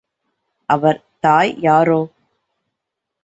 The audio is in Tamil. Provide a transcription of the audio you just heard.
அவர் தாய் யாரோ?